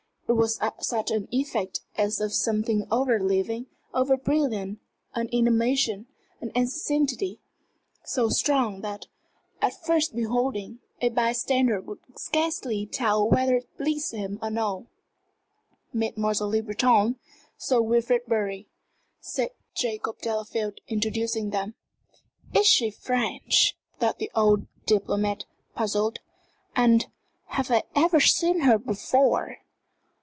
It was an effect as of something over living, over brilliant an animation, an intensity, so strong that, at first beholding, a by stander could scarcely tell whether it pleased him or no. "Mademoiselle Le Breton Sir Wilfrid Bury," said Jacob Delafield, introducing them. "Is she French?" thought the old diplomat, puzzled. "And have I ever seen her before?"